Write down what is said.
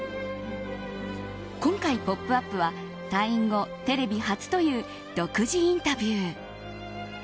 今回、「ポップＵＰ！」は退院後、テレビ初という独自インタビュー。